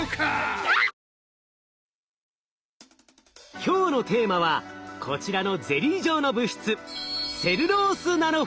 今日のテーマはこちらのゼリー状の物質